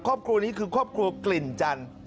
ครอบครัวนี้คือครอบครัวกลิ่นจันทร์